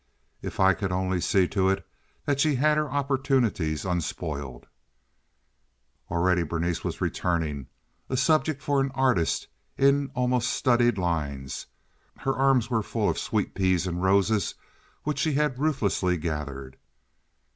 "If I could only see to it that she had her opportunities unspoiled." Already Berenice was returning, a subject for an artist in almost studied lines. Her arms were full of sweet peas and roses which she had ruthlessly gathered.